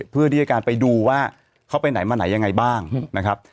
เพื่อที่จะไปดูว่าเขาไปไหนมาไหนยังไงบ้างนะครับ